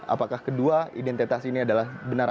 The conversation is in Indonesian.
apakah kedua identitas ini adalah benar